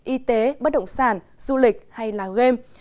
y tế bất động sản du lịch hay là game